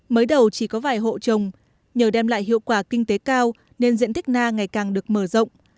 mới đầu chỉ có vài hộ trồng nhờ đem lại hiệu quả kinh tế cao nên diện tích na ngày càng được mở rộng